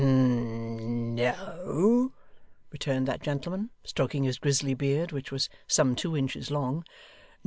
'N no,' returned that gentleman, stroking his grizzly beard, which was some two inches long.